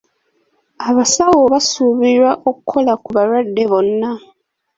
Abasawo basuubirwa okukola ku balwadde bonna.